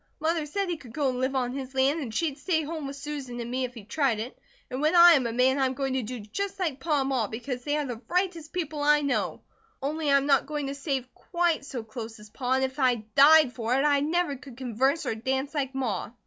Mother said he could go and live on his land, and she'd stay home with Susan and me, if he tried it. And when I am a man I am going to do just like Pa and Ma because they are the rightest people I know, only I am not going to save QUITE so close as Pa, and if I died for it, I never could converse or dance like Ma."